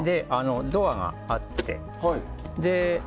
ドアがあって。